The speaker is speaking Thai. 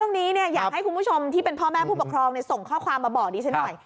อยากให้คุณผู้ชมที่เป็นพ่อแม่ผู้ปกครองส่งข้อความมาบอกดิฉันหน่อย